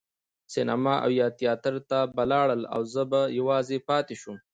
سینما او یا تیاتر ته به لاړل او زه به یوازې پاتې شوم.